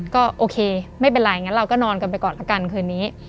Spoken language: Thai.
ก็โอเคไม่เป็นไรงั้นเราก็นอนกันไปก่อนละกันคืนนี้